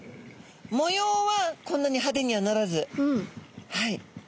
模様はこんなに派手にはならずはい。